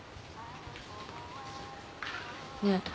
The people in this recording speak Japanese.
ねえ。